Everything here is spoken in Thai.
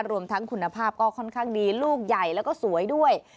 รวมทั้งคุณภาพก็ค่อนข้างดีลูกใหญ่แล้วก็สวยด้วย